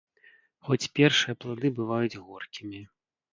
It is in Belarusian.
Хоць першыя плады бываюць горкімі.